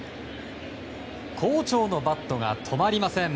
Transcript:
好調のバットが止まりません。